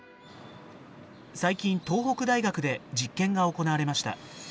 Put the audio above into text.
最近東北大学で実験が行われました。